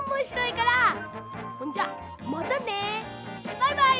バイバイ！